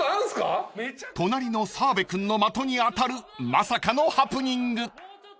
［隣の澤部君の的に当たるまさかのハプニング］